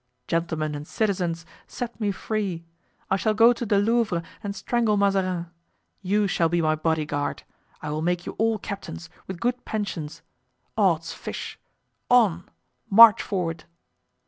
Gentlemen and citizens, set me free; I shall go to the Louvre and strangle Mazarin. You shall be my body guard. I will make you all captains, with good pensions! Odds fish! On! march forward!"